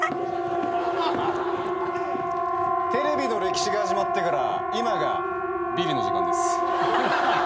テレビの歴史が始まってから今がビリの時間です。